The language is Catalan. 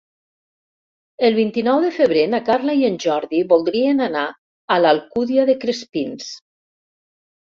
El vint-i-nou de febrer na Carla i en Jordi voldrien anar a l'Alcúdia de Crespins.